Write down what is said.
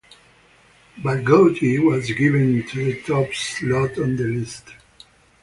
Barghouti was given the top slot on the list.